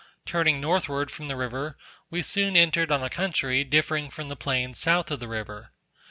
Turning northward from the river, we soon entered on a country, differing from the plains south of the river.